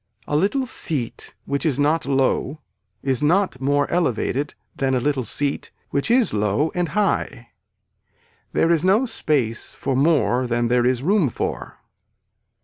A little seat which is not low is not more elevated than a little seat which is low and high. There is no space for more than there is room for.